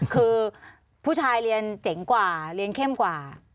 คือผู้ชายเรียนเจ๋งกว่าเรียนเข้มกว่า